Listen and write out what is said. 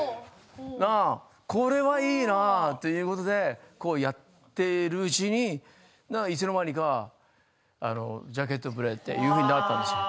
これはいいなということでやっているうちにいつの間にかジャケットプレイというようになったんですよ。